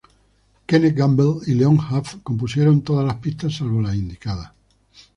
Kenneth Gamble y Leon Huff compusieron todas las pistas; salvo las indicadas